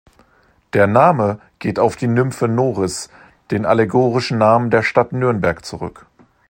Der Name geht auf die Nymphe Noris, den allegorischen Namen der Stadt Nürnberg zurück.